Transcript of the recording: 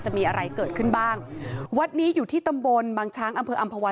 จะมีอะไรเกิดขึ้นบ้างวัดนี้อยู่ที่ตำบลบางช้างอำเภออำภาวัน